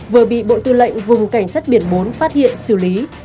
vừa bị bộ tư lệnh vùng cảnh sát biển bốn phát hiện xử lý